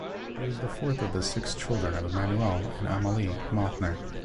He was the fourth of the six children of Emmanuel and Amalie Mauthner.